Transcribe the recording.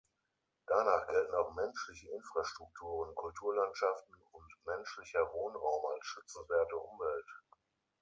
Danach gelten auch menschliche Infrastrukturen, Kulturlandschaften und menschlicher Wohnraum als schützenswerte Umwelt.